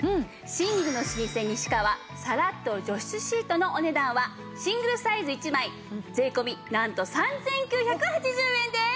寝具の老舗西川サラッと除湿シートのお値段はシングルサイズ１枚税込なんと３９８０円です。